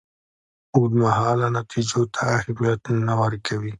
اوږدمهالو نتیجو ته اهمیت نه ورکوي.